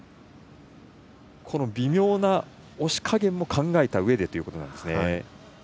この微妙な押し加減も考えたうえでということですね。